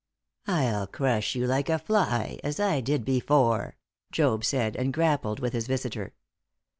"I'll crush you like a fly, as I did before!" Job said, and grappled with his visitor.